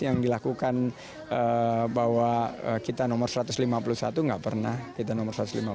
yang dilakukan bahwa kita nomor satu ratus lima puluh satu nggak pernah kita nomor satu ratus lima puluh